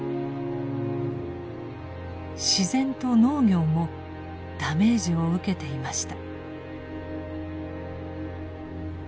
自然と農業もダメージを受けていました。